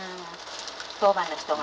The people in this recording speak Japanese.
当番の人が？